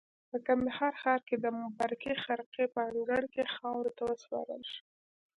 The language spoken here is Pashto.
په کندهار ښار کې د مبارکې خرقې په انګړ کې خاورو ته وسپارل شو.